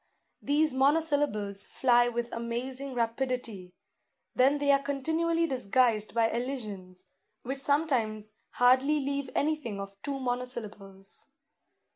These monosyllables fly with amazing rapidity; then they are continually disguised by elisions, which sometimes hardly leave anything of two monosyllables.